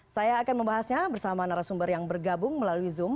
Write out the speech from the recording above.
saya akan membahasnya bersama narasumber yang bergabung melalui zoom